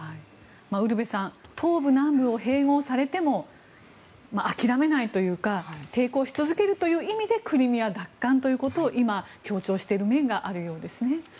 ウルヴェさん東部・南部を併合されても諦めないというか抵抗し続けるという意味でクリミア奪還ということは今、強調している面があるようですね。